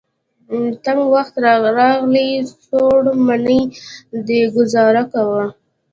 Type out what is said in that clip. تنګ وخت راغلی. څوړ منی دی ګذاره کوه.